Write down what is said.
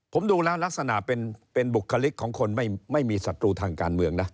ผมดูแล้วลักษณะเป็นบุคลิกของคนไม่มีศัตรูทางการเมืองนะ